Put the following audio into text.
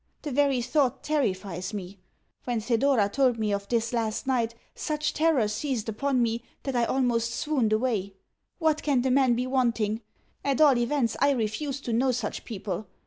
The very thought terrifies me. When Thedora told me of this last night such terror seized upon me that I almost swooned away. What can the man be wanting? At all events, I refuse to know such people.